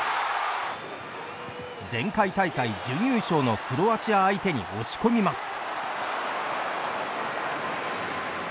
前回大会準優勝のクロアチア相手に押し込みます。